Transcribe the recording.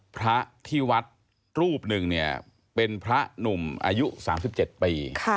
พระที่วัดรูปหนึ่งเนี่ยเป็นพระหนุ่มอายุ๓๗ปี